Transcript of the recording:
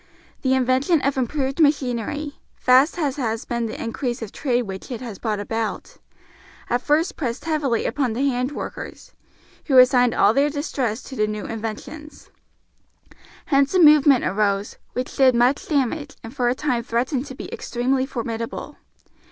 The invention of improved machinery, vast as has been the increase of trade which it has brought about, at first pressed heavily upon the hand workers, who assigned all their distress to the new inventions. Hence a movement arose, which did much damage and for a time threatened to be extremely formidable.